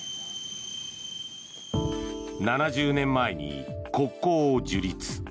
７０年前に国交を樹立。